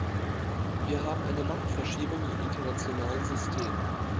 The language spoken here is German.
Wir haben eine Machtverschiebung im internationalen System.